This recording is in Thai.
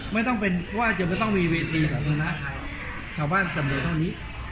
ไม่ต้องเป็นว่าจะต้องมีเวทีสังคมนะชาวบ้านตำรวจเท่านี้